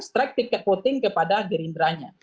strict ticket voting kepada gerindranya